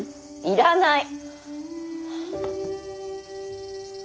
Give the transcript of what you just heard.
要らない！